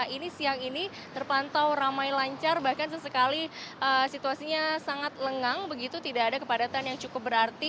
ini siang ini terpantau ramai lancar bahkan sesekali situasinya sangat lengang begitu tidak ada kepadatan yang cukup berarti